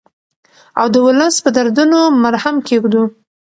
او د ولس په دردونو مرهم کېږدو.